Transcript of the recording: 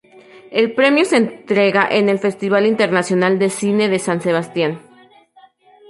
El premio se entrega en el Festival Internacional de Cine de San Sebastián.